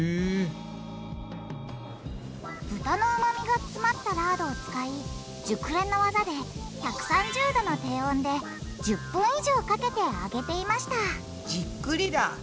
豚のうまみが詰まったラードを使い熟練の技で１３０℃の低温で１０分以上かけて揚げていましたじっくりだ。